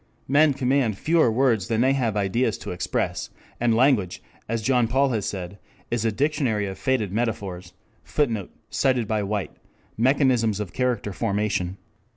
Men command fewer words than they have ideas to express, and language, as Jean Paul said, is a dictionary of faded metaphors. [Footnote: Cited by White, _Mechanisms of Character Formation.